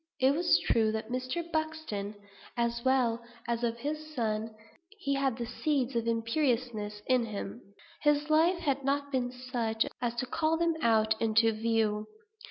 It was true of Mr. Buxton, as well as of his son, that he had the seeds of imperiousness in him. His life had not been such as to call them out into view.